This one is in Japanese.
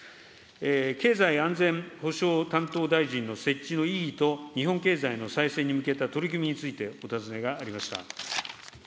経済・安全保障担当大臣の設置の意義と、日本経済の再生に向けた取り組みについてお尋ねがありました。